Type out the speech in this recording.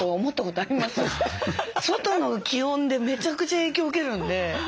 外の気温でめちゃくちゃ影響受けるんで。